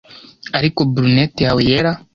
ariko brunette yawe yera